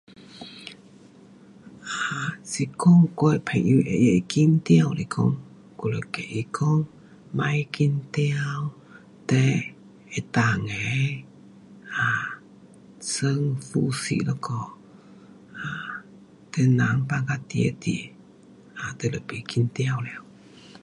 um 是讲我的朋友他会紧张来讲，我会跟他讲，别紧张 then 能够的，um 深呼吸一下，um